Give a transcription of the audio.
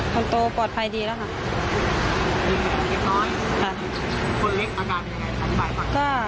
คนโตปลอดภัยดีแล้วค่ะ